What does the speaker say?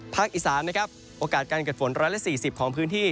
ถ้าอุตส่วนอีสานนะครับโอกาสการเกิดฝน๑๔๐๔พื้นที่